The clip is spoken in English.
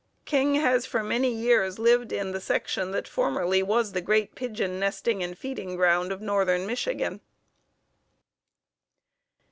King has for many years lived in the section that formerly was the great pigeon nesting and feeding ground of northern Michigan.